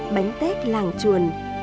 bánh tết làng chuồn